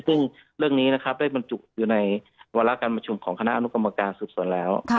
ซึ่งเรื่องนี้นะครับได้บรรจุอยู่ในวาระการประชุมของคณะอนุกรรมการสืบสวนแล้ว